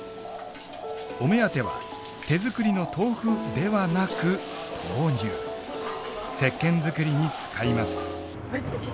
お目当ては手作りの豆腐ではなくせっけん作りに使います。